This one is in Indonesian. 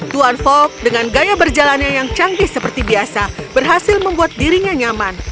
tuan folk dengan gaya berjalannya yang canggih seperti biasa berhasil membuat dirinya nyaman